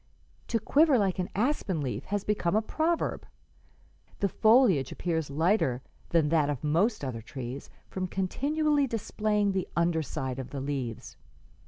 'To quiver like an aspen leaf has become a proverb. The foliage appears lighter than that of most other trees, from continually displaying the under side of the leaves.